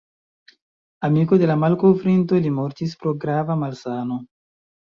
Amiko de la malkovrinto, li mortis pro grava malsano.